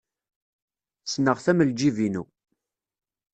Ssneɣ-t am ljib-inu.